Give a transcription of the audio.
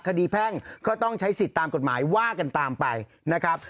แพ่งก็ต้องใช้สิทธิ์ตามกฎหมายว่ากันตามไปนะครับ